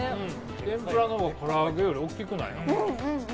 天ぷらがから揚げより大きくない？